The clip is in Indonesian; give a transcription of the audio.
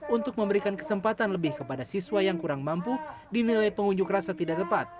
untuk memberikan kesempatan lebih kepada siswa yang kurang mampu dinilai pengunjuk rasa tidak tepat